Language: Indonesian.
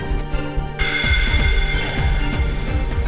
kak bisa juga